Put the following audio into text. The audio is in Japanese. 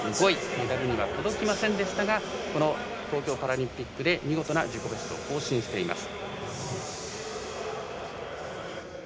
メダルには届きませんでしたが東京パラリンピックで見事な自己ベスト更新しています。